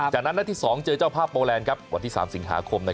จากนั้นนัดที่๒เจอเจ้าภาพโปแลนด์วันที่๓สิงหาคม